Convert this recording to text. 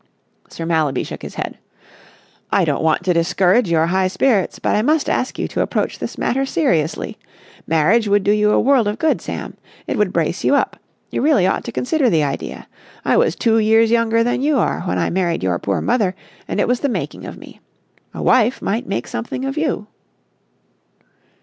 Sir Mallaby shook his head. "I don't want to discourage your high spirits, but I must ask you to approach this matter seriously. Marriage would do you a world of good, Sam. It would brace you up. You really ought to consider the idea. I was two years younger than you are when I married your poor mother, and it was the making of me. A wife might make something of you."